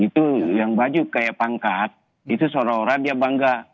itu yang baju kayak pangkat itu seolah olah dia bangga